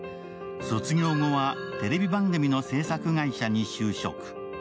卒業後はテレビ番組の制作会社に就職。